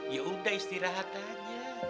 ya udah istirahat aja